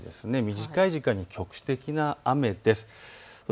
短い時間でも局地的な雨です。